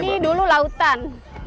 ini dulu lautan